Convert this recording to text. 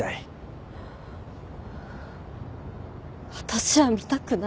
私は見たくない。